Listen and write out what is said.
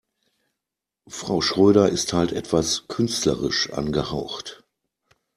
Frau Schröder ist halt etwas künstlerisch angehaucht.